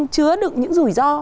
chứa đựng những rủi ro